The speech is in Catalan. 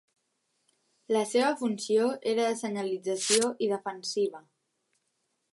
La seva funció era de senyalització i defensiva.